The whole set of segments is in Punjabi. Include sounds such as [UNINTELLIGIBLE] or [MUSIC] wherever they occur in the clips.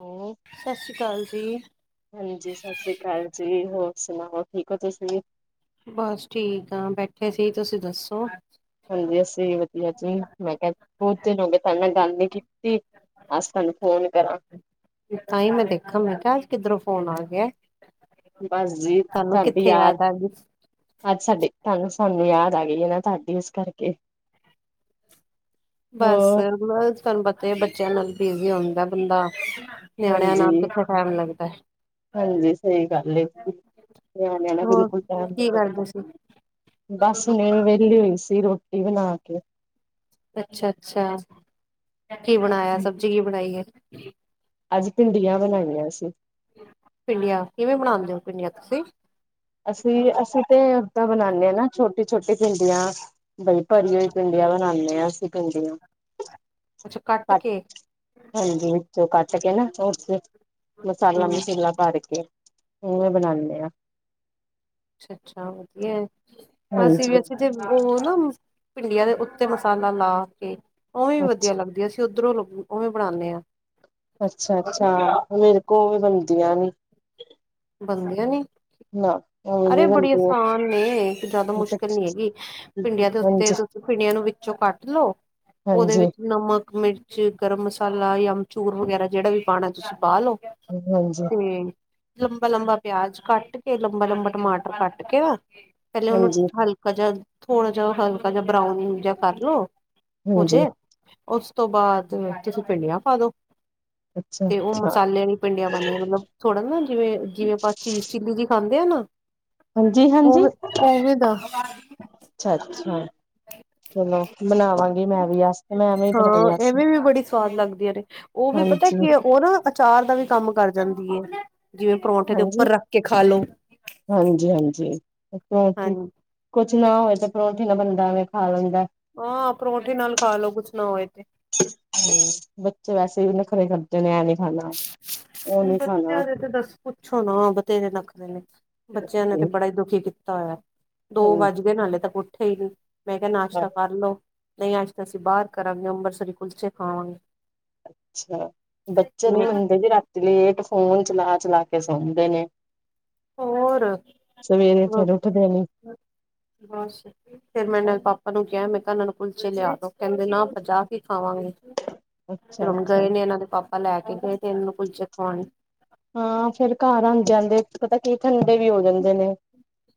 ਹੂੰ ਸਤਿ ਸ਼੍ਰੀ ਅਕਾਲ ਜੀ। ਹਾਂਜੀ ‌‌‌, ਸਤਿ ਸ਼੍ਰੀ ਅਕਾਲ ਜੀ, ਹੋਰ ਸੁਣਾਓ, ਠੀਕ ਹੋ ਤੁਸੀ? ਬਸ ਠੀਕ ਆ ਬੈਠੇ ਸੀ ਤੁਸੀਂ ਦੱਸੋ ਹਾਂਜੀ ਅਸੀਂ ਵੀ ਵਧੀਆ ਜੀ ਮੈਂ ਕਿਹਾ ਬਹੁਤ ਦਿਨ ਹੋ ਗਏ ਤੁਹਾਡੇ ਨਾਲ ਗੱਲ ਨੀ ਕੀਤੀ ਅੱਜ ਤੁਹਾਨੂੰ ਫੋਨ ਕਰਾਂ ਤਾਂ ਹੀ ਮੈਂ ਦੇਖਾਂ ਮੈਂ ਕਿਹਾ ਅੱਜ ਕਿੱਧਰੋਂ ਫੋਨ ਆ ਗਿਆ ਬੱਸ ਜੀ, ਤੁਹਾਨੂੰ ਤਹਾਡੀ ਕਿੱਥੇ ਯਾਦ ਆ ਗਈ। ਅੱਜ ਸਾਡੀੇ ਤੁਹਾਨੂੰ ਸਾਨੂੰ ਯਾਦ ਆ ਗਈ ਹੈ, ਨਾ ਤੁਹਾਡੀ ਉਸ ਕਰਕੇ। ਬਸ, ਹੋਰ ਤੁਾਨੂੰ ਪਤਾ ਈ ਬੱਚਿਆਂ ਨਾਲ ਬਿਜੀ ਹੁੰਦਾ ਬੰਦਾ। ਨਿਆਣਿਆਂ ਨਾਲ ਕਿੱਥੇ ਟਾਈਮ ਲੱਗਦਾ ਹਂਜੀ-ਹਾਂਜੀ ਸਹੀ ਗੱਲ ਏ। ਨਿਆਣਿਆ ਨਾਲ ਹੋਰ ਬਿਲਕੁਲ ਟਾਈਮ ਨੀ ਕੀ ਲੱਗਦਾ ਕਰਦੇ ਸੀ? ਬਸ ਹੁਣ ਵਿਹਲੀ ਹੋਈ ਸੀ ਮੈ ਬਣਾ ਕੇ ਅੱਛਾ-ਅੱਛਾ, ਕੀ ਬਣਾਇਆ ਸਬਜ਼ੀ ਕੀ ਬਣਾਈ ਐ? ਅੱਜ ਭਿੰਡੀਆਂ ਬਣਾਈਆਂ ਅਸੀ। ਭਿੰਡੀਆਂ ਕਿਵੇਂ ਬਣਾਉਂਦੇ ਹੋ ਭਿੰਡੀਆਂ ਤੁਸੀਂ ਅਸੀਂ ਅਸੀਂ ਤੇ ਉਦਾਂ ਬਣਾਉਨੇ ਹਾਂ ਨਾ ਛੋਟੀ ਛੋਟੀ ਭਿੰਡੀਆਂ ਬਈ ਭਰੀ ਹੋਈ ਭਿੰਡੀਆਂ ਬਣਾਂਨੇ ਆਂ, ਅਸੀਂ ਭਿੰਡੀਆਂ। ਕੁਛ ਕੱਟ ਕੇ ਹਾਂਜੀ ਵਿੱਚੋਂ ਕੱਟ ਕੇ ਨਾ ਉਹ ਚ ਮਸਾਲਾ ਹੂੰ ਮਸੂਲਾ ਭਰ ਕੇ ਇਹਵੇਂ ਬਣਾਉਂਦੇ ਆ। ਅੱਛਾ-ਅੱਛਾ ਵਧੀਆ ਅਸੀ ਵੀ ਹਾਂਜੀ ਇੱਥੇ ਤੇ ਉਹ ਨਾ, ਭਿੰਡੀਆਂ ਦੇ ਉੱਤੇ ਮਸਾਲਾ ਲਾ ਕੇ। ਉਵੇਂ ਈ ਵਧੀਆ ਅੱਛਾ ਲੱਗਦੀਆ ਸੀ ਉੱਧਰੋਂ ਉਵੇਂ ਬਣਾਉਂਦੇ ਹਾਂ। ਅੱਛਾ-ਅੱਛਾ! ਮੇਰੇ ਕੋਲੋ ਬਣਦੀਆਂ ਨਹੀਂ। ਬਣਦੀਆਂ ਨੀ ਉਵੇਂ ਨੀ ਅਰੇ ਬੜੀ ਬਣਦੀਆਂ ਆਸਾਨ ਨੇ ਜ਼ਿਆਦਾ ਮੁਸ਼ਕਿਲ ਨਹੀਂ ਹੈਗੀ ਭਿੰਡੀਆਂ ਦੇ ਉੱਤੇ ਹਾਂਜੀ ਦ ਭਿੰਡੀਆਂ ਨੂੰ ਵਿੱਚੋਂ ਕੱਟ ਲੋੋ ਉਹਦੇ ਹਾਂਜੀ ਵਿੱਚ ਨਮਕ ਮਿਰਚ 'ਚ ਗਰਮ ਮਸਾਲਾ ਜਾਂ ਅਮਚੂਰ ਵਗੈਰਾ ਜਿਹੜਾ ਵੀ ਪਾਉਣਾ, ਤੁਸੀਂ ਪਾਣਾ ਲਓ। ਓਂਝ ਤੇ ਲੰਬਾ-ਲੰਬਾ ਪਿਆਜ ਕੱਟਕੇ, ਲੰਬਾ-ਲੰਬਾ ਟਮਾਟਰ ਕੱਟਕੇ, ਪਹਿਲੇ ਉਹਨੂੰ ਹਾਂਜੀ ਹਲ ਹਲਕਾ ਜਾ ਥੋੜਾ ਜਿਹਾ ਹਲਕਾ ਜਿਹਾ ਬਰਾਊਨ ਜਿਹਾ ਕਰ ਲਓ, ਹਾਂਜੀ ਹੋਜੇ ਉਸ ਤੋਂ ਬਾਅਦ ਤੁਸੀਂ ਭਿੰਡੀਆਂ ਪਾ ਦਿਓ ਅੱਛਾ ਤੇ ਉਹ ਅੱਛਾ ਮਸਾਲੇ ਵਾਲੀ। ਭਿੰਡੀਆਂ ਪਾਉਦੇ ਮਤਲਬ ਥੋੜ੍ਹਾ ਨਾ ਜਿਵੇਂ ਜਿਵੇਂ ਆਪਾਂ ਚੀਜ਼ ਚਿੱਲੀ ਦੀ ਖਾਂਦੇ ਆ ਨਾ ਉਹ ਵੀ ਉਹ ਵੀ ਦਾ ਅੱਛਾ-ਅੱਛਾ! ਚਲੋ ਬਣਾਵਾਂਗੀ ਮੈਂ ਵੀ ਅਸ, ਮੈਂ ਐਵੇ ਹੀ ਬਣਾਈਆ ਹਾਂ ਸੀਂ। ਐਵੇਂ ਵੀ ਬੜੀ ਸਵਾਦ ਲੱਗਦੀ ਏ, ਉਹ ਵੀ ਪਤਾ ਕੀ ਉਹ ਨਾ ਅਚਾਰ ਦਾ ਵੀ ਕੰਮ ਕਰ ਜਾਂਦੀ ਏ। ਜਿਵੇਂ ਪਰੌਂਠੇ ਦੇ ਉੱਪਰ ਰੱਖ ਕੇ ਖਾ ਲੋ ਹਾਂਜੀ-ਹਾਂਜੀ! ਹਾਂਜੀ ਕੁਛ ਨਾ ਹੋਵੇ ਤੇ ਪਰੋਂਠੇ ਨਾਲ ਬੰਦਾ ਐਵੇਂ ਖਾ ਲੈਂਦਾ। ਹਾਂ ਪਰੌਂਠੀ ਨਾਲ ਖਾ ਲੋ ਕੁੱਛ ਨਾ ਹੋਏ ਤੇ। ਹੂੰ, ਬੱਚੇ ਵੈਸੇ ਵੀ ਨਖਰੇ ਕਰਦੇ ਨੇ, ਐਂ ਨੀ ਖਾਣਾ ਉਹ ਨੀ ਖਾਣਾ ਬੱਚਿਆਂ ਦੇ ਤਾ ਬੱਸ ਪੁੱਛੋ ਨਾ ਬਥੇਰੇ ਨਖਰੇ ਨੇ ਬੱਚਿਆਂ ਨੇ ਤੇ ਬੜਾ ਈ ਦੁਖੀ ਕੀਤਾ ਹੋਇਆ। ਦੋ ਵੱਜ ਗਏ ਨਾਲੇ ਤਾਂ ਉੱਠੇ ਹੀ ਨੀ। ਮੈਂ ਕਿਆ ਨਾਸ਼ਤਾਂ ਕਰ ਲਓ, ਨਹੀਂ ਅੱਜ ਤਾਂ ਅਸੀਂ ਬਾਹਰ ਕਰਾਂਗੇ। ਅੰਬਰਸਰੀ ਕੁਲਚੇ ਖਾਵਾਂਗੇ। ਅੱਛਾ! ਬੱਚੇ ਨੀ ਮੈਂ ਮੰਨਦੇ, ਜੇ ਰਾਤੀ ਲੇਟ ਫੋਨ ਚਲਾ ਚਲਾ ਕੇ ਸੌਂਦੇ ਨੇ। ਹੋਰ ਸਵੇਰੇ ਫੇਰ ਉੱਠਦੇ ਨੀ ਬਸ, ਫਿਰ ਮੈਂਨੇ ਪਾਪਾ ਨੂੰ ਕਿਆ ਮੈਂ ਕਿਹਾ ਏਨਾਂ ਨੂੰ ਕੁਲਚੇ ਲਿਆ ਦੋ। ਕਹਿੰਦੇ ਨਾ ਆਪ ਜਾ ਕੇ ਖਾਵਾਂਗੇ ਅੱਛਾ ਫਿਰ ਹੁਣ ਅੱਛਾ ਗਏ ਨੇ ਇਹਨਾਂ ਦੇ ਪਾਪਾ ਲੈ ਕੇ ਗਏ, ਤੇ ਇਹਨਾਂ ਨੂੰ ਕੁਲਚੇ ਖਵਾਉਣ। ਹਾਂ ਫੇਰ ਘਰ ਆ ਜਾਂਦੇ ਪਤਾ ਕੀ ਠੰਡੇ ਵੀ ਹੋ ਜਾਂਦੇ ਨੇ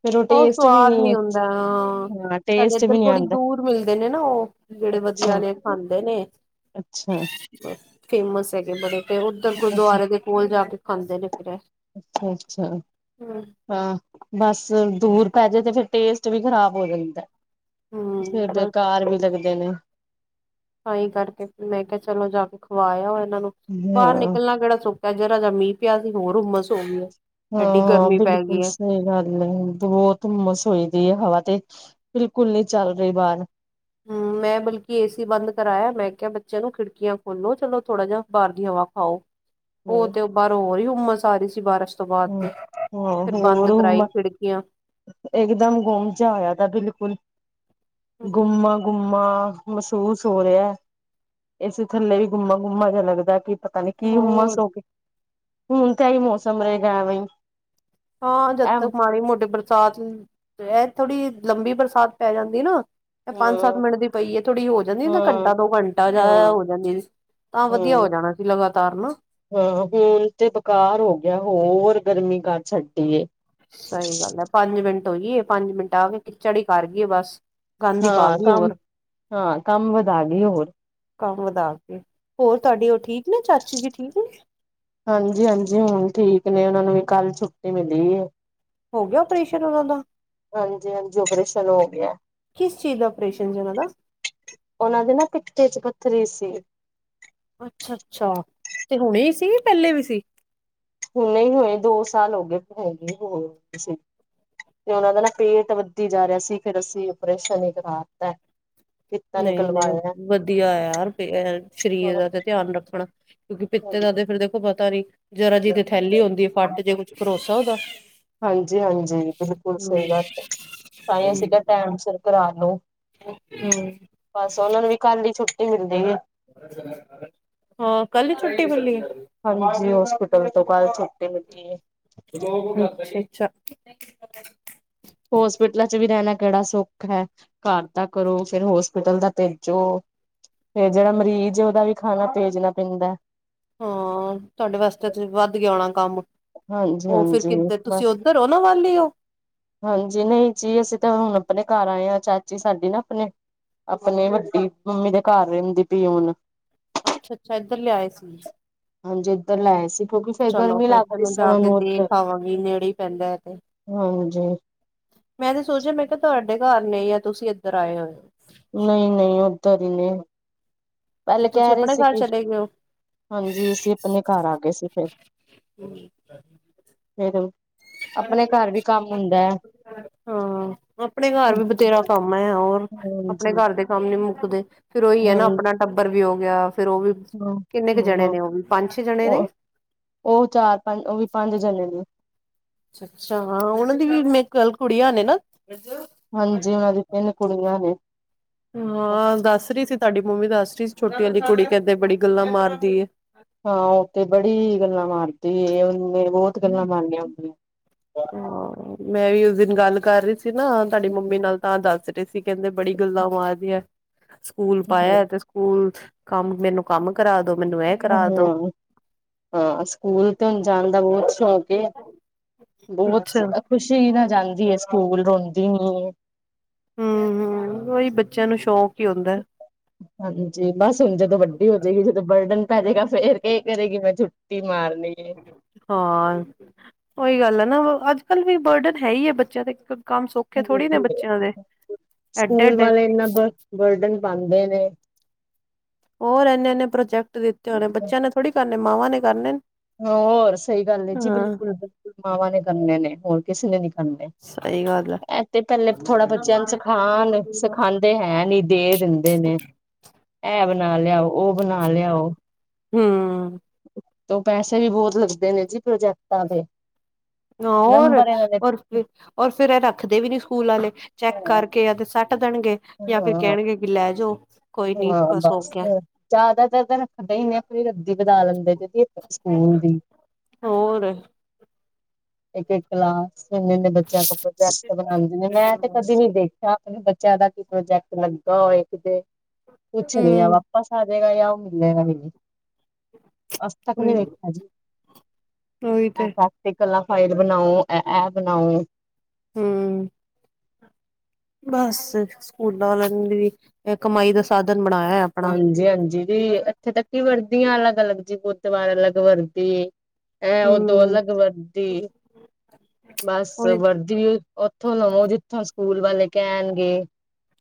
ਫੇਰ ਉਹ ਟੇਸਟ ਵੀ ਸਵਾਦ ਨੀ ਹੁੰਦਾ ਹਾਂ। ਸਾਡੇ ਟੇਸਟ ਵੀ ਇੱਧਰ ਨੀ ਥੋੜੀ ਆਂਦਾ ਦੂਰ ਮਿਲਦੇ ਨੇ ਨਾ ਉਹ। ਜਿਹੜੇ ਵਧੀਆ ਅੱਛਾ ਲ ਖਾਂਦੇ ਨੇ ਅੱਛਾ! ਫੇਮਸ ਹੈਗੇ ਬੜੇ। ਤੇ ਉਧਰ ਅੱਛਾ ਗੁਰੂਦੁਆਰੇ ਦੇ ਕੋਲ ਜਾ ਕੇ ਖਾਂਦੇ ਨੇ ਫਿਰ ਐ। ਅੱਛਾ ਅੱਛਾ ਹਾਂ, ਬਸ ਦੂਰ ਪੈ ਜੇ ਤੇ ਫਿਰ ਟੇਸਟ ਵੀ ਖ਼ਰਾਬ ਹੋ ਜਾਂਦਾ। ਹੂੰ ਫਿਰ ਬਸ ਬੇਕਾਰ ਵੀ ਲੱਗਦੇ ਨੇ। ਤਾਂਹੀ ਕਰਕੇ ਮੈਂ ਕਿਹਾ ਚਲੋ ਜਾ ਕੇ ਖਵਾਇਆ ਇਹਨਾਂ ਨੂੰ ਬਾਹਰ ਹਾਂ। ਨਿਕਲਣਾ ਕਿਹੜਾ ਸੌਖ ਤੇ ਜਦੋ ਦਾ ਮੀਂਹ ਪਿਆ ਸੀ ਹੋਰ ਹੁਮਸ ਹੋ ਗਈ ਐ ਹਾਂ ਹਾਂ ਬਿਲਕੁਲ ਸਹੀ ਗੱਲ ਬਹੁਤਮਸੋਈ ਦੀ ਹੈ ਹਵਾ ਤੇ ਬਿਲਕੁਲ ਨਹੀਂ ਚੱਲ ਰਹੀ ਬਾਹਰ ਹਮ ਮੈਂ ਬਲਕਿ, ਏ-ਸੀ ਬੰਦ ਕਰਾਇਆ, ਮੈਂ ਕਿਹਾ ਬੱਚਿਆਂ ਨੂੰ ਖਿੜਕੀਆਂ ਖੋਲੋ ਚਲੋ ਥੋੜ੍ਹਾ ਜਿਹਾ ਬਾਹਰ ਦੀ ਹਵਾ ਖਾਓ। ਉਹ ਹੂੰ ਤੇ ਉਹ ਬਾਹਰੋਂ ਹੋਰ ਹੀ ਉਮਸ ਆ ਰਹੀ ਸੀ ਬਾਰਸ਼ ਦੀ। ਉਸ ਤੋਂ ਬਾਅਦ ਹੂੰ ਹਾਂ ਫਿਰ ਬੰਦ ਹੋਰ ਕਰਾਈ ਹੁਮ ਖਿੜਕੀਆਂ ਇਕਦਮ ਗੁੰਮ ਜਾ ਆਇਆ ਤਾ ਬਿਲਕੁਲ ਹਮ ਗੁੰਮਾ ਗੁੰਮਾ ਮਹਿਸੂਸ ਹੋ ਰਿਹਾ। ਇਸੇ ਥੱਲੇ ਵੀ ਗੁੰਮਾ-ਗੁੰਮਾ ਜਿਹਾ ਲੱਗਦਾ ਕੀ ਪਤਾ ਨੀ ਕੀ, ਹੋਰ ਹੁੰਮਸ ਹੋ ਹੁਣ ਤਾਂ ਏ ਮੌਸਮ ਰਹੇਗਾ ਐਵੇ ਈ। ਹਾਂ ਜਦ ਤੱਕ ਮਾੜੀ ਮੋਟੇ ਬਰਸਾਤ, ਇਹ ਥੋੜੀ ਲੰਬੀ ਬਰਸਾਤ ਪੈ ਜਾਂਦੀ ਨਾ? ਤੇ ਪੰਜ ਸੱਤ ਮਿੰਟ ਦੀ ਪਈਏ ਥੋੜ੍ਹੀ ਹੋ ਜਾਂਦੀ ਨਾ ਹੂੰ ਘੰਟਾ ਦੋ ਘੰਟਾ ਜਾਂ ਹੂੰ ਹੋ ਜਾਂਦੀ ਆਂ ਵਧੀਆ ਹੂੰ ਹੋ ਜਾਣਾ ਸੀ, ਲਗਾਤਾਰ ਨਾ। ਹਾਂ ਹੁਣ ਤੇ ਬੇਕਾਰ ਹੋ ਗਿਆ ਹੋਰ ਗਰਮੀ ਕਰ ਛੱਡੀ ਐ ਸਹੀ ਗੱਲ ਐ ਪੰਜ ਮਿੰਟ ਹੋਈਏ। ਪੰਜ ਮਿੰਟ ਆ ਕੇ ਖਿੱਚੜੀ ਕਰ ਗਈਏ ਬਸ ਗੰਦ ਹੀ ਪਾ ਹਾਂ। ਗਈ ਕੰਮ ਹੋਰ ਹਾਂ ਕੰਮ ਵਧਾ ਗਈ ਹੋਰ। ਕੰਮ ਵਧਾ ਕੇ ਹੋਰ ਤੁਹਾਡੇ ਉਹ ਠੀਕ ਨੇ ਚਾਚੀ ਜੀ ਠੀਕ ਨੇ। ਹਾਂਜੀ-ਹਾਂਜੀ। ਹੁਣ ਠੀਕ ਨੇ ਉਹਨਾਂ ਨੂੰ ਵੀ ਕੱਲ ਛੁੱਟੀ ਮਿਲੀ ਹੈ। ਹੋ ਗਿਆ ਓਪ੍ਰਰੇਸ਼ਨ ਉਹਨਾਂ ਦਾ? ਹਾਂਜੀ ਹਾਂਜੀ ਓਪਰੇਸ਼ਨ ਹੋ ਗਿਆ ਕਿਸ ਚੀਜ਼ ਦਾ ਓਪਰੇਸ਼ਨ ਸੀ ਉਹਨਾਂ ਦਾ ਓਨਾ ਦੇ ਨਾ ਪਿੱਤੇ ਚ ਪੱਥਰੀ ਸੀ। ਅੱਛਾ-ਅੱਛਾ। ਤੇ ਹੁਣੇ ਸੀ ਪਹਿਲੇ ਵੀ ਸੀ? ਹੋਰ ਦੋ ਸਾਲ ਹੋਏ ਦੋ ਸਾਲ ਹੋ ਗਏ ਹੈਗੇ ਹੋਰ ਤੇ ਉਹਨਾ ਦਾ ਨਾ ਪੇਟ ਵੱਦੀ ਜਾ ਰਿਹਾ ਸੀ ਫੇਰ ਅਸੀਂ ਆਪਓਰੇਸ਼ਨ ਹੀ ਕਰਾ ਦਿੱਤਾ ਨਹੀਂ-ਨਹੀਂ ਵਧੀਆ ਯਾਰ, ਸਰੀਰ ਦਾ ਤੇ ਧਿਆਨ ਰੱਖਣਾ ਕਿਉਂਕਿ ਪਿੱਤੇ ਦਾ ਤੇ ਫਿਰ ਦੇ ਪਤਾ ਨੀ ਜਰਾ ਜੀ ਤੇ ਥੈਲੀ ਹੁੰਦੀ ਫੱਟ ਜੇ ਕੁਛ ਭਰੋਸਾ ਉਹਦਾ। ਹਾਂਜੀ-ਹਾਂਜੀ। ਬਿਲਕੁਲ ਹੂੰ ਸਹੀ ਗੱਲ ਹੈ, ਤਾਂ ਹੀ ਅਸੀ ਕਿਹਾ ਟਾਈਮ ਸਿਰ ਕਰਾ ਲੋ। ਹੂੰ ਬਸ ਉਹਨਾ ਨੂੰ ਵੀ ਕੱਲ ਦੀ ਛੁੱਟੀ ਮਿਲਦੀ ਏ। ਹਾਂ। ਕੱਲ ਛੁੱਟੀ ਮਲੀ ਹੈ। ਹਾਂਜੀ ਹੋਸਪੀਟਲ ਤੋਂ ਕੱਲ ਛੁੱਟੀ ਮਿਲੀ ਏ। ਅੱਛਾ ਹੋਸਪਿਟਲਾਂ 'ਚ ਵੀ ਰਹਿਣਾ ਕਿਹੜਾ ਸੋਖਾ ਹੈ। ਘਰ ਦਾ ਕਰੋ ਫੇਰ, ਹੋਸਪਿਟਲ ਦਾ ਭੇਜੋ। ਤੇ ਜਿਹੜਾ ਮਰੀਜ਼ ਉਹਦਾ ਵੀ ਖਾਣਾ ਭੇਜਣਾ ਪੈਂਦਾ ਹਾਂ, ਤੁਹਾਡੇ ਵਾਸਤੇ ਤੇ ਵੱਧ ਗਿਆ ਹੋਣਾ ਕੰਮ? ਉਹ ਫਿਰ ਹਾਂਜੀ-ਹਾਂਜੀ ਕਿੱਧਰ ਬ ਤੁਸੀਂ ਉੱਧਰ ਉਹਨਾ ਵਲ ਹੋ। ਹਾਂਜੀ ਨਹੀਂ ਜੀ ਅਸੀਂ ਤਾਂ ਹੁਣ ਆਪਣੇ ਘਰ ਆਏ ਹਾਂ ਚਾਚੀ ਸਾਡੀ ਨਾ ਆਪਣੇ ਆਪਨੇ ਵੱਡੀ ਮੰਮੀ ਦੇ ਘਰ ਰਹਿੰਦੀ ਪੀਏ ਹੁਨ। ਅੱਛਾ ਅੱਛਾ ਇੱਧਰ ਲਿਆਏ ਸੀ ਹਾਂਜੀ ਇੱਧਰ ਲੈ ਸੀ ਕਿਉਕਿ ਚਲੋ ਫੇਰ ਤੇ ਮੈਂ ਜਾ ਕੇ ਦੇਖ ਆਵਾਂਗੀ। ਨੇੜੇ ਈ ਪੈਂਦਾ ਐ ਤੇ। ਹਾਂਜੀ। ਮੈਂ ਤੇ ਸੋਚਿਆ ਮੈਂ ਕਿਹਾ ਤੁਹਾਡੇ ਘਰ ਨਹੀਂ ਆ ਤੁਸੀਂ ਇੱਧਰ ਆਏ ਹੋਏ ਓ? ਨਹੀਂ - ਨਹੀਂ। ਓਧਰ ਹੀ ਨੇ ਤੇ ਪੈਲੇ ਤੁਸੀਂ ਕਹਿ ਰੇ ਆਪਣੇ ਸੀ ਘਰ ਕਿ ਚਲੇ ਗਏ ਹਾਂਜੀ, ਅਸੀਂ ਅਪਣੇ ਘਰ ਆਗੇ ਸੀ ਫੇਰ। ਹੋ ਫੇਰ ਅਪਣੇ ਘਰ ਵੀ ਕੰਮ ਹੁੰਦੈ। ਹਾਂ। ਆਪਣੇ ਘਰ ਵੀ ਬਥੇਰਾ ਹਾਂਜੀ ਕੰਮ ਹੈ, ਹੋਰ ਆਪਣੇ ਘਰ ਦੇ। ਮੁੱਕਦੇ ਫੇਰ ਉਹੀ ਹੈ ਨਾ ਹਾਂਜੀ ਆਪਣਾ ਟੱਬਰ ਵੀ ਹੋ ਗਿਆ ਫੇਰ ਉਹ ਵੀ। ਹਾਂ ਕਿੰਨੇ ਕੁ ਜਣੇ ਹਾਂ ਨੇ ਉਹ ਵੀ ਪੰਜ ਛੇ ਜਣੇ ਨੇ। ਔ ਚਾਰ-ਪੰਜ ਓਹ ਵੀ ਪੰਜ ਜਣੇ ਦੀ ਏ। ਅੱਛਾ-ਅੱਛਾ। ਓਨਾਂ ਦੀ ਵੀ ਮੇ ਕਵੈਲ ਕੁੜੀਆ ਨੇ ਨਾ। ਹਾਂਜੀ। ਔਨਾ ਦੀ ਤਿੰਨ ਕੁੜੀਆਂ ਨੇ। ਹਾਂ, ਦੱਸ ਰੀ ਸੀ ਤੁਆਡੀ ਮੰਮੀ ਦੱਸ ਰੀ ਸੀ ਛੋਟੀ ਆਲੀ ਕੁੜੀ ਕੈੰਦੇ ਬੜੀ ਗੱਲਾਂ ਮਾਰਦੀ ਏ। ਹਾਂ ਉ ਤੇ ਬੜੀ ਗੱਲਾਂ ਮਾਰਦੇ ਉਹਨੇ ਬਹੁਤ ਗੱਲਾਂ ਮਾਰਨੀਆਂ ਆਉਂਦੀ। ਹਾਂ, ਮੈਂ ਵੀ ਉਸ ਦਿਨ ਗੱਲ ਕਰ ਰੀ ਸੀ ਨਾ ਤਾਡੀ ਮੰਮੀ ਨਾਲ। ਤਾਂ ਦੱਸ ਰੇ ਸੀ ਕੈੰਦੇ ਬੜੀ ਗੱਲਾਂ ਮਾਰਦੀ ਐ। ਸਕੂਲ ਪਾਯੈ ਤੇ ਸਕੂਲ ਕੰਮ ਮੈਨੂੰ ਕੰਮ ਕਰਾ ਦੋ, ਮੈਨੂੰ ਐ ਹਾਂ - ਹਾਂ। ਸਕੂਲ ਤੇ ਹੁਣ ਜਾਣ ਦਾ ਬਹੁਤ ਸ਼ੌਕ ਏ। ਬਹੁਤ ਹਮ ਖੁਸ਼ੀ ਨਾ ਜਾਂਦੀ ਹੈ, ਸਕੂਲ ਰੋਂਦੀ ਹੀ। ਹਮ - ਹਮ। ਉਹੀ ਬੱਚਿਆਂ ਨੂੰ ਸ਼ੌਕ ਹੀ ਹੁੰਦਾ। ਹਾਂਜੀ, ਬਸ ਹੁਣ ਜਦੋਂ ਵੱਡੀ ਹੋ ਜਾਏਗੀ ਜਦੋਂ ਬਰਡਨ ਪੈ ਜਾਏਗਾ ਫੇਰ ਕੀ ਕਰੇਗੀ ਮੈਂ ਛੁੱਟੀ ਮਾਰਨੀ ਹੈ। ਹਾਂ, ਓਹੀ ਗੱਲ ਐ ਨਾ, ਅੱਜ-ਕੱਲ ਵੀ ਬਰਡਨ ਹੈ ਈ ਏ ਬੱਚਿਆਂ ਤੇ ਇੱਕਣ ਕੰਮ ਸੌਖੇ ਥੋੜੀ ਨੇ ਹੈ ਬੱਚਿਆਂ ਦੇ ਐਡੇ, ਸਕੂਲ ਐਡੇ ਵਾਲੇ ਇੰਨਾ ਬ ਬਰਡਨ ਪਾੰਦੇ ਨੇ। ਔਰ ਐਨੇ-ਐਨੇ ਪ੍ਰੋਜੈਕਟ ਦਿੱਤੇ ਹੋਣੇ ਬੱਚਿਆਂ ਨੇ ਥੋੜੇ ਕਰਨੇ ਮਾਵਾਂ ਨੇ ਕਰਨੇ। ਹੋਰ ਸਹੀ ਗੱਲ ਏ ਜੀ, ਹਾਂ ਬਿਲਕੁਲ-ਬਿਲਕੁਲ ਮਾਵਾਂ ਨੇ ਕਰਨੇ ਨੇ ਹੋਰ ਕਿਸੇ ਨੇ ਨੀ ਹਮ ਨੇ ਸਹੀ ਗੱਲ ਹੈ ਐਹ ਤੇ ਪੈਲੇ ਥੋੜਾ ਬੱਚਿਆਂ ਨੂੰ ਸਿਖਾ ਆਣ। ਸਿਖਾਣ ਦੇ ਹੈ ਨੀ ਦੇ ਦਿੰਦੇ ਨੇ, ਐ ਬਣਾ ਲਿਆਓ, ਔ ਬਣਾ ਲਿਆਓ। ਹਮ। ਹਾਂ। ਤੋਂ ਪੈਸੇ ਵੀ ਬਹੁਤ ਲੱਗਦੇ ਨੇ ਜੀ ਪ੍ਰੋਜੈਕਟਾਂ ਦੇ। ਹ ਹੋਰ ਨੰਬਰ ਇਹਨਾਂ ਪਰ ਫਿਰ ਐ ਰੱਖਦੇ ਵੀ ਨੀ ਸਕੂਲ ਆਲੇ ਚੈੱਕ ਹਾਂ ਕਰਕੇ ਯਾ ਤੇ ਸੈ ਕੱਟ ਦੇਣਗੇ ਜਾਂ ਫਿਰ ਹਾਂ ਕਹਿਣਗੇ ਕਿ ਲੈ ਜਾਓ। ਕੋਈ ਨੀ ਹਾਂ ਬਸ ਹੋ ਬੱਸ। ਗਿਆ ਜ਼ਿਆਦਾਤਰ ਤਾਂ ਰੱਖਦੇ ਹੀ ਨੇ ਆਪ ਰੱਦੀ ਬਣਾ ਲੈਂਦੇ ਜੇ ਸਕੂਲ ਦੀ। ਹੋਰ। ਇੱਕ-ਇੱਕ ਕਲਾਸ ਐਨਾ ਬੱਚਿਆਂ ਤੋਂ ਪ੍ਰੋਜੈਕਟ ਬਣਾਦੇ ਨੇ ਮੈਂ ਤੇ ਕਦੀ ਨੀ ਗਈ। ਸਾਥ ਨੀ ਬੱਚਿਆਂ ਦਾ ਕੀ ਪ੍ਰੋਜੈਕਟ ਬਣਦਾ ਹੋਏ ਕਿਦੇ। ਕੁਛ ਨੀ ਐ ਹੂੰ ਵਾਪਸ ਆ ਜੇਗਾ ਯਾ ਓਹ ਮਿਲੇਗਾ ਵੀ ਨੀ। ਅਜ ਤਕ ਨੀ ਉਹੀ ਵੇਖਿਆ ਜੀ। ਐਸਾ ਤੇ ਕਲਾ ਫਾਈਲ ਬਣਾਓ, ਐ ਐ ਬਣਾਓ। ਹੂੰ। ਬਸ, ਸਕੂਲਾਂ ਵਾਲਿਆਂ ਵੀ ਕਮਾਈ ਦਾ, ਸਾਧਨ ਬਣਾਇਆ ਆ। ਹਾਂਜੀ- ਹਾਂਜੀ, ਵੀ ਐਥੇ ਤੱਕ ਕਿ ਵਰਦੀਆਂ ਅਲੱਗ-ਅਲੱਗ ਜੇ, ਬੁਧਦਵਾਰ ਅਲੱਗ ਵਰਦੀ। ਐ ਓਦੋਂ ਹੂੰ ਅਲੱਗ ਵਰਦੀ, ਬਸ ਉਹੀ ਵਰਦੀਔ ਈ ਉੱਥੋਂ ਲਵੋ, ਜਿੱਥੋਂ ਸਕੂਲ ਵਾਲੇ ਕਹਿਣਗੇ।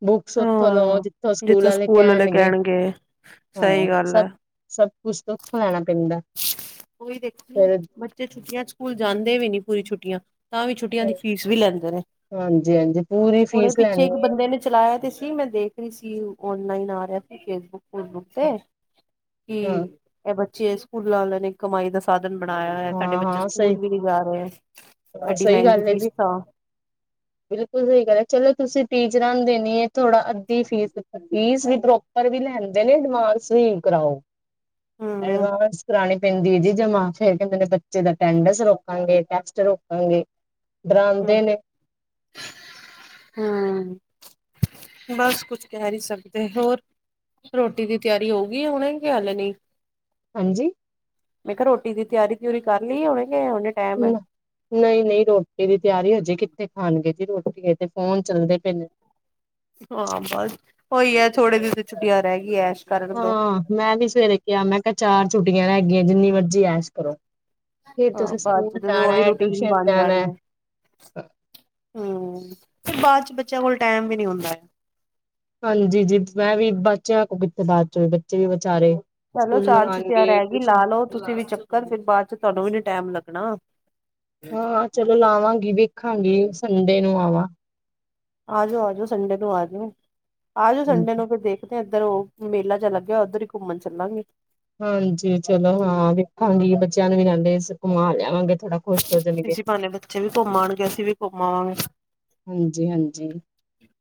ਬੁੱਕਸ ਉੱਥੋਂ ਲਵੋ, ਜਿੱਥੋਂ ਸਕੂਲ ਆਲੇ ਕਹਿਣਗੇ। ਗੇ ਸਹੀ ਹਾਂ ਗੱਲ ਸਭ ਅ। ਸਭ ਕੁਛ ਤੋਂ ਔਈ ਦੇਖੋ, ਫਿਰ ਬੱਚੇ ਛੁੱਟੀਆਂ ਚ ਸਕੂਲ ਜਾਂਦੇ ਵੀ, ਨੀ ਪੂਰੀ ਛੁੱਟੀਆਂ ਤਾਂ ਵੀ ਛੁੱਟੀਆਂ ਦੀ, ਫੀਸ ਵੀ ਲੈਂਦੇ ਨੇ। ਹਾਂਜੀ ਹਾਂਜੀ ਪੂਰੀ ਹੁਣੇ ਫੀਸ ਪਿੱਛੇ ਲੈਣੀ ਇੱਕ ਹੈ ਬੰਦੇ ਨੇ ਚਲਾਇਆ ਤੇ ਸੀ, ਮੈਂ ਦੇਖ ਰਹੀ ਸੀ, ਔਨਲਾਈਨ ਆ ਰਿਹਾ ਸੀ ਫੇਸਬੁੱਕ ਸਕੂਲ ਬੁੱਕ ਤੇ, ਕਿ ਹਾਂ ਇਹ ਬੱਚੇ ਸਕੂਲ ਲਾ ਲੈ ਨੇ। ਕਮਾਈ ਦਾ, ਸਾਧਨ ਬਣਾਆ ਹੋਐ, ਸਾਡੇ ਹਾਂ ਬੱਚੇ ਹਾਂ ਸਹੀ ਸਕੂਲ ਵੀ ਨੀ ਜਾ ਰਏ, ਐਡੀ ਸਹੀ ਮਿਹਗੀ ਗੱਲ ਹੈ ਜੀ ਫੀਸਾਂ। [INAUDIBLE] [UNINTELLIGIBLE] ਬਿਲਕੁਲ ਸਹੀ ਗੱਲ ਹੈ, ਚਲੋ ਤੁਸੀਂ ਟੀਚਰਾਂ ਨੂੰ ਦੇਣੀ ਥੋੜਾ ਅੱਧੀ ਫੀਸ, ਫੀਸ ਵੀ ਪਰ ਵੀ ਲੈਂਦੇ ਨੇ, ਐਡਵਾਂਸਵ ਕਰਾਓ। ਹੂੰ ਐਡਵਾਂਸ, ਕਰਾਣੀ ਪੈਂਦੀ ਏ ਜੀ ਜਮਾ। ਫੇਰ ਕਹਿਦੇ ਨੇ ਬੱਚੇ ਦਾ ਅਟੈਂਡਸ ਰੋਕਾਂਗੇ, ਟੈਸਟ ਰੋਕਾਂਗੇ, ਡਰਾਦੇ ਨੇ। ਹਾਂ। ਬਸ, ਕੁਛ ਕਹਿ ਨਹੀਂ ਸਕਦੇ ਹੋਰ? ਰੋਟੀ ਦੀ, ਤਿਆਰੀ ਹੋ ਗਈ ਹੁਣੇ ਕੀ ਹੱਲੇ ਨਈ? ਹਾਂਜੀ। ਮੈਂ ਕਿਹਾ, ਰੋਟੀ ਦੀ ਤਿਆਰੀ ਤਉਰੀ ਕਰ ਲਈ, ਹੂਣੇ ਕੇ ਉਹਨੇ ਹੁਮਾ ਨਹ-ਨਹੀਂ ਰੋਟੀ ਦੀ ਤਿਆਰੀ ਹਜੇ ਕਿੱਥੇ ਖਣਗੇ ਜੀ ਰੋਟੀ, ਤੇ ਫੋਨ ਚੱਲਦੇ ਪਏ ਨੇ। ਹਾਂ, ਬਸ ਓਹੀ ਹੈ ਥੋੜੇ ਦਿਨ, ਦੀ ਛੁੱਟੀਆਂ ਰੈ ਗੀ, ਐਸ਼ ਕਰਨ ਦੋ ਹਾਂ, ਮੈਂ ਵੀ ਸਵੇਰੇ ਕਿਹਾ, ਮੈਂ ਕਿਹਾ ਚਾਰ ਛੁੱਟੀਆਂ ਰਹਿ, ਗਈ ਜਿੰਨੀ ਵੱ ਜੀ ਐਸ਼ ਕਰੋ,, ਫਿਰ ਹਾਂ ਤੁਸੀਂ ਬਾਅਦ ਸਕੂਲ ਚ ਉਹੀ ਜਾਣਾ, ਰੂਟੀਨ ਟਿਊਸ਼ਨ ਜਾਣਾ। ਹਮ, ਫੇਰ ਬਾਅਦ ਚ ਬੱਚਿਆਂ ਕੋਲ ਟਾਈਮ ਵੀ ਨੀ ਹੁੰਦਾ। ਹਾਂਜੀ, ਜੀ ਮੈਂ ਵੀ ਬਚਿਆ ਕੋ ਕਿੱਥੇ ਬਾਅਦ ਚ ਵੀ ਬੱਚੇ ਵੀ ਵਿਚਾਰੇ। ਚਲੋ, ਸਕੂਲੋਂ ਚਾਰ ਛੁੱਟੀਆਂ ਆਉਣਗੇ ਰਹਿ ਗਈ ਟਿਊਸ਼ਨ ਲਾ ਲਓ। ਤੁਸੀਂ ਵੀ ਚੱਕਰ, ਫਿਰ ਬਾਦ ਚ ਤੁਹਾਨੂੰ ਵੀ ਨੀ ਟੈਮ ਲੱਗਣਾ। ਹਾਂ ਚਲੋ ਲਾਵਾਂਗੀ ਵੇਖਾਂਗੀ ਸੰਡੇ ਨੂੰ ਆਵਾਂ? ਆ, ਜੋ, ਆ ਜੋ, ਸੰਡੇ ਨੂੰ ਆ ਜੋ, ਆ ਜੋ ਸੰਡੇ ਹਾਂਜੀ ਨੂੰ ਫਿਰ ਦੇਖ ਤੇ ਐਧਰ, ਓਹ ਮੇਲਾ ਜਾ ਲੱਗਿਆ, ਓਧਰ ਹੀ ਘੁੰਮਣ ਚੱਲਾਂਗੇ। ਹਾਂਜੀ, ਚਲੋ ਹਾਂ ਵੇਖਾਂਗੀ ਬੱਚਿਆਂ ਨੂੰ ਨਾਲੇ ਅਸੀ ਘੁੰਮਾ ਲਿਆਵਾਂਗੇ ਥੋੜਾ। ਖੁਸ਼ ਹੋ ਜਾਣਗੇ ਇਸੀਂ ਬਹਾਨੇ, ਬੱਚੇ ਵੀ ਘੁੰਮ ਆਣਗੇ, ਅਸੀਂ ਵੀ ਘੁੰਮ ਆਵਾਂਗੇ। ਹਾਂਜੀ -ਹਾਂਜੀ।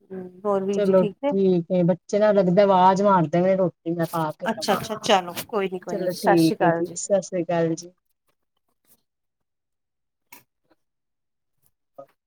ਹੂੰ, ਹੋਰ? ਵੀਰ ਜੀ ਚਲੋ ਨੇ? ਠੀਕ ਏ, ਬੱਚੇ ਨਾ ਲੱਗਦੈ ਵਾਜ਼ ਮਾਰਦੇ ਵੇ ਰੋਟ ਮੈਂ ਪਾ ਕੇ ਅੱਛਾ ਦਵਾਂ, ਅੱਛਾ ਚਲੋ ਕੋਈ ਨੀ ਕੋਈ ਨੀ ਚਲੋ ਜੀ ਸਤਿ ਸ਼੍ਰੀ ਠੀਕ ਹੈ ਅਕਾਲ ਜੀ, ਸਤਿ ਸ੍ਰੀ ਅਕਾਲ ਜੀ। ਆ [INAUDIBLE]